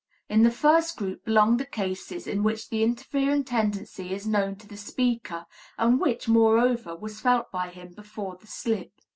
In the first group belong the cases in which the interfering tendency is known to the speaker, and which, moreover, was felt by him before the slip.